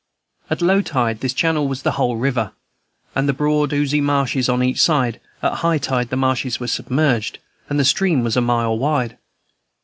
At low tide this channel was the whole river, with broad, oozy marshes on each side; at high tide the marshes were submerged, and the stream was a mile wide.